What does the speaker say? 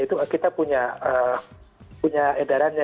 itu kita punya edarannya